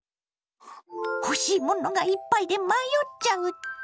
欲しいものがいっぱいで迷っちゃうって？